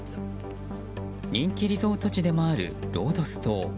人気リゾート地でもあるロードス島。